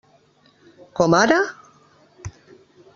Com ara?